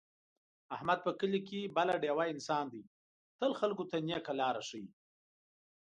احمد په کلي کې بله ډېوه انسان دی، تل خلکو ته نېکه لاره ښي.